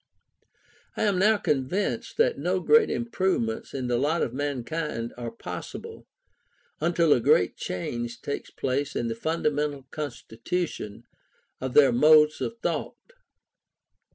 I am now convinced, that no great improvements in the lot of mankind are possible, until a great change takes place in the fundamental constitution of their modes of thought.